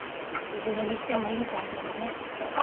いずれにしてもいい材料がね。